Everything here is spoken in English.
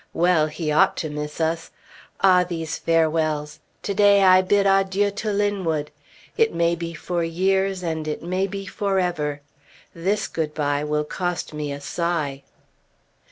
Well! he ought to miss us! Ah! these fare wells! To day I bid adieu to Linwood. "It may be for years, and it may be forever!" This good bye will cost me a sigh.